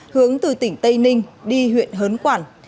hướng từ tỉnh tây ninh đi huyện hớn quản